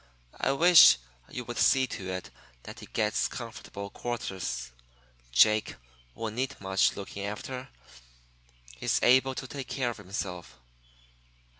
I wish you would see to it that he gets comfortable quarters Jake won't need much looking after he's able to take care of himself.